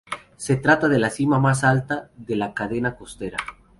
Se trata de la cima más alta de la Cadena Costera.